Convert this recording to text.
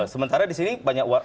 sementara disini banyak